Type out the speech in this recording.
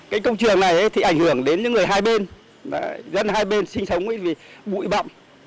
cái công trường này thì ảnh hưởng đến những người hai bên dân hai bên sinh sống vì bụi bậm